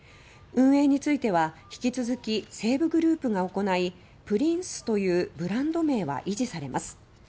運営については引き続き西武グループが行いプリンスというブランド名は維持されます。